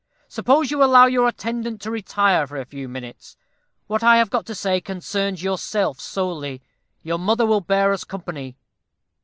Suppose you allow your attendant to retire for a few minutes. What I have got to say concerns yourself solely. Your mother will bear us company.